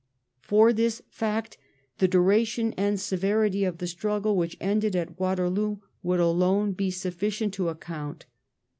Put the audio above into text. For this fact the duration and severity of the struggle which ended at Waterloo would alone be sufficient to account.